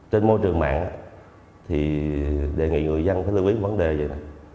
trên môi trường mạng thì đề nghị người dân phải lưu ý vấn đề vậy này